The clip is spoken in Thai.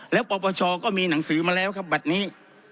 แล้วปปชก็มีหนังสือมาแล้วครับบัตรนี้